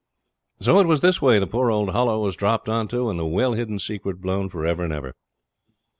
So it was this way the poor old Hollow was dropped on to, and the well hidden secret blown for ever and ever.